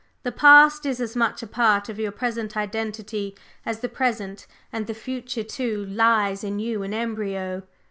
The past is as much a part of your present identity as the present, and the future, too, lies in you in embryo.